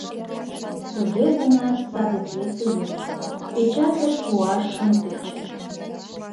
Туге гынат саде пьесе йомо, печатьыш пуаш шым тӧчӧ.